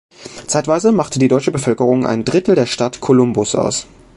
Zeitweise machte die deutsche Bevölkerung ein Drittel der Stadt Columbus aus.